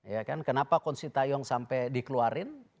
ya kan kenapa konsei tayong sampai dikeluarin